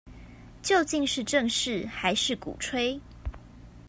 究竟是正視還是鼓吹